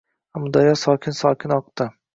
Amudaryo sokin-sokin oqdi.